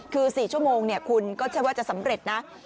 คือ๔ชั่วโมงคุณก็ใช่ว่าจะสำเร็จนะ